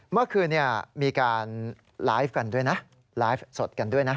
เมื่อคืนมีการไลฟ์กันด้วยนะไลฟ์สดกันด้วยนะ